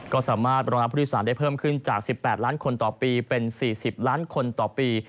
ก็สามารถรองรับผู้โดยสารได้เพิ่มขึ้นจาก๑๘ล้านคนต่อปีเป็น๔๐ล้านคนต่อปี